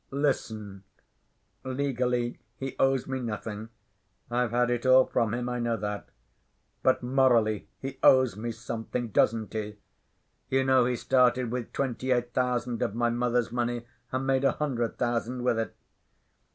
"Listen. Legally he owes me nothing. I've had it all from him, I know that. But morally he owes me something, doesn't he? You know he started with twenty‐eight thousand of my mother's money and made a hundred thousand with it.